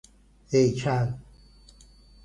هیکل